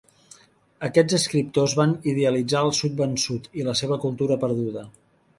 Aquests escriptors van idealitzar el Sud vençut i la seva cultura perduda.